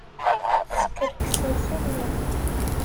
Teskerksem fell-i.